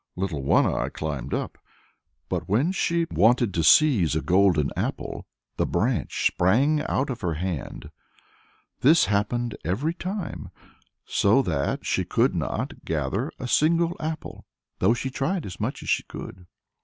Little One Eye climbed up, but when she wanted to seize a golden apple, the branch sprang out of her hand; this happened every time, so that she could not gather a single apple, though she tried as much as she could.